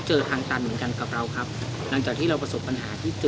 เจอทางตันเหมือนกันกับเราครับหลังจากที่เราประสบปัญหาที่เจอ